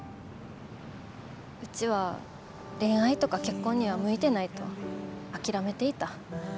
うちは恋愛とか結婚には向いてないと諦めていた。